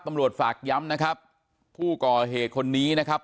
ตำรวจฝากย้ำนะครับผู้ก่อเหตุคนนี้นะครับ